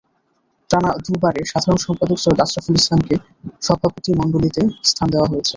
টানা দুবারের সাধারণ সম্পাদক সৈয়দ আশরাফুল ইসলামকে সভাপতিমণ্ডলীতে স্থান দেওয়া হয়েছে।